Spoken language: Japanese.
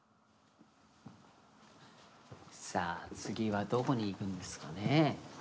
さあ次はどこに行くんですかね。